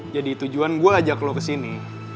jadi tujuan gue ajak lo kesini